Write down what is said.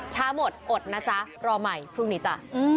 ช้าหมดอดนะจ๊ะรอใหม่พรุ่งนี้จ้ะ